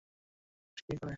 এখন ওকে দোষ দিই কী করে।